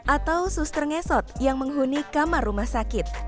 atau suster ngesot yang menghuni kamar rumah sakit